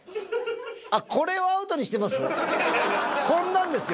あっ、これをアウトにしてます？